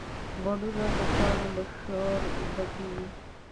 بڼونه د پاڼو له شور ډکېږي